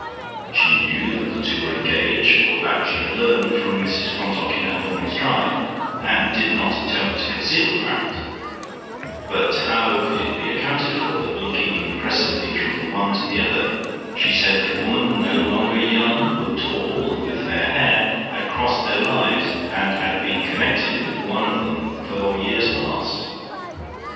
She knew that the two were engaged for that she had learned from Mrs Quantock in her morning's drive, and did not attempt to conceal the fact, but how could it be accounted for that looking impressively from the one to the other, she said that a woman no longer young but tall, and with fair hair had crossed their lives and had been connected with one of them for years past?